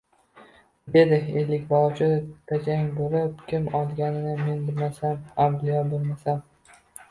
Dedi ellikboshi tajang bo‘lib, kim olganini men bilmasam, avliyo bo‘lmasam